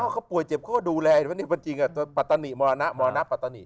อ้าวเขาป่วยเจ็บเขาก็ดูแลนี่มันจริงอ่ะตัวปัตตนิมรณะมรณะปัตตนิ